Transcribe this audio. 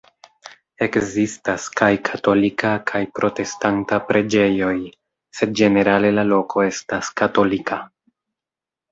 Ekzistas kaj katolika kaj protestanta preĝejoj, sed ĝenerale la loko estas katolika.